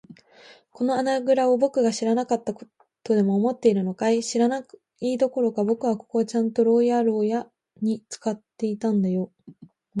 この穴ぐらをぼくが知らなかったとでも思っているのかい。知らないどころか、ぼくはここをちゃんと牢屋ろうやに使っていたんだよ。